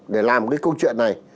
để làm cái câu chuyện này